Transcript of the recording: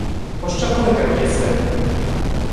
— Пощо кликав єси?